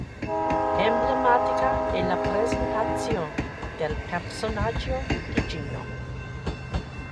Emblematica è la presentazione del personaggio di Gino.